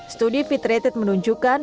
studi fitretit menunjukkan